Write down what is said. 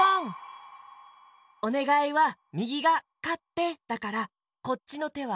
おねがいはみぎが「かって」だからこっちのてはパー！